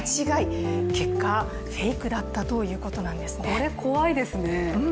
これ、怖いですね。